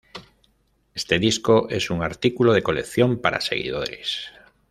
Este disco es un artículo de colección para seguidores.